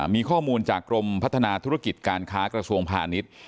มีข้อมูลจากกรมพัฒนาธุรกิจการค้ากระทรวงพาณิชย์